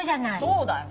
そうだよ。